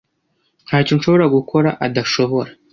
Ntacyo nshobora gukora adashobora.